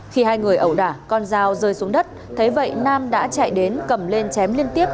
khi hai người ẩu đả con dao rơi xuống đất thấy vậy nam đã chạy đến cầm lên chém liên tiếp